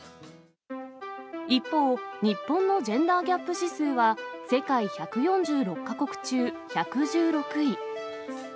一方、日本のジェンダーギャップ指数は、世界１４６か国中１１６位。